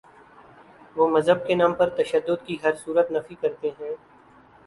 وہ مذہب کے نام پر تشدد کی ہر صورت نفی کرتے ہیں۔